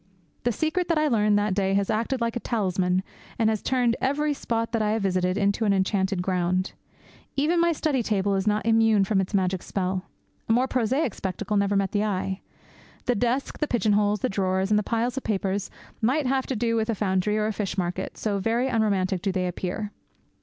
The secret that I learned that day has acted like a talisman, and has turned every spot that I have visited into an enchanted ground. Even my study table is not immune from its magic spell. A more prosaic spectacle never met the eye. The desk, the pigeon holes, the drawers, and the piles of papers might have to do with a foundry or a fish market, so very unromantic do they appear.